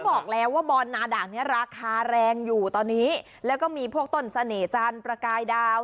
บอกแล้วว่าบอลนาด่างนี้ราคาแรงอยู่ตอนนี้แล้วก็มีพวกต้นเสน่หจันทร์ประกายดาว